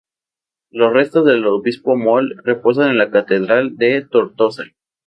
Los restos del obispo Moll reposan en la catedral de Tortosa.